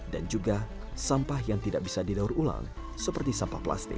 dan juga sampah yang tidak bisa didaur ulang seperti sampah plastik